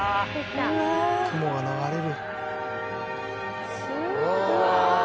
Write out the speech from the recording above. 雲が流れる。